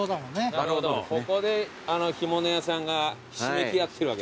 なるほどここで干物屋さんがひしめき合ってるわけですね。